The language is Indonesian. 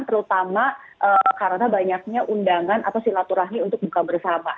terutama karena banyaknya undangan atau silaturahmi untuk buka bersama